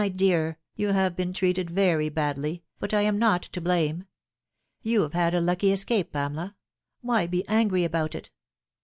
dear, you have been treated very badly, but I am not to blame. You have had a lucky escape, Pamela. Why be angry about it ?"